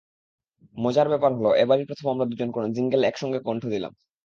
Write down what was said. মজার ব্যাপার হলো, এবারই প্রথম আমরা দুজন কোনো জিঙ্গেলে একসঙ্গে কণ্ঠ দিলাম।